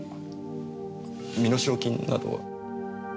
身代金などは？